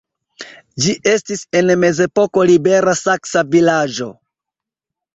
Ĝi estis en mezepoko libera saksa vilaĝo.